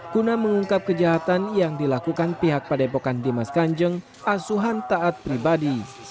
guna mengungkap kejahatan yang dilakukan pihak padepokan dimas kanjeng asuhan taat pribadi